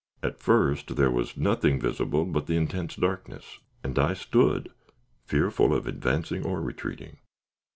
At first there was nothing visible but the intense darkness, and I stood, fearful of advancing or retreating.